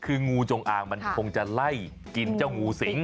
คืองูจงอางมันคงจะไล่กินเจ้างูสิง